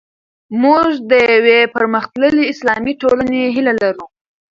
موږ د یوې پرمختللې اسلامي ټولنې هیله لرو.